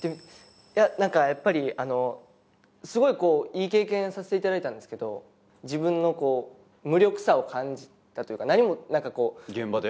いや何かやっぱりすごいいい経験させていただいたんですけど自分の無力さを感じたというか現場で？